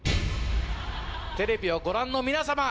テレビをご覧の皆様